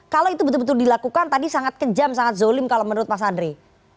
kalau itu betul betul dilakukan tadi sangat kejam sangat zolim kalau menurut mas andri